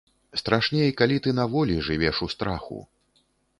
Страшней, калі ты на волі жывеш у страху.